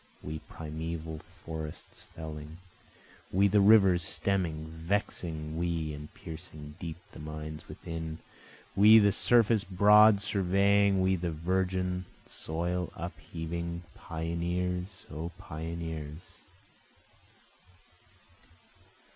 We primeval forests felling, We the rivers stemming, vexing we and piercing deep the mines within, We the surface broad surveying, we the virgin soil upheaving, Pioneers! O pioneers!